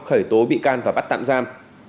khởi tố bị can và bắt tạm giam